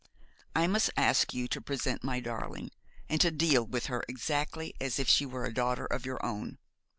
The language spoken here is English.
'I must ask you to present my darling, and to deal with her exactly as if she were a daughter of your own.